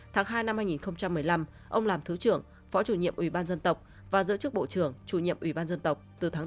tháng hai hai nghìn một mươi năm ông làm thứ trưởng phó chủ nhiệm ủy ban dân tộc và giữ chức bộ trưởng chủ nhiệm ủy ban dân tộc từ tháng bốn hai nghìn một mươi sáu